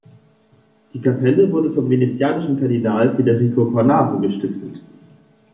Die Kapelle wurde vom venezianischen Kardinal Federico Cornaro gestiftet.